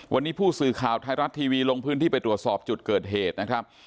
วันนี้ผู้สื่อข่าวไทยรัฐทีวีลงพื้นที่ไปตรวจสอบจุดเกิดเหตุนะครับ